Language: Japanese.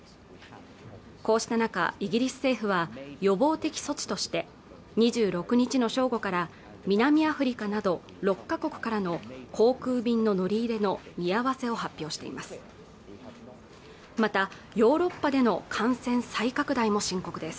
こうした中イギリス政府は予防的措置として２６日の正午から南アフリカなど６か国からの航空便の乗り入れの見合わせを発表しています